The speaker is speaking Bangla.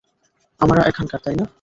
আমরা এখানকার, তাই না?